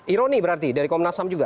ironi berarti dari komnas ham juga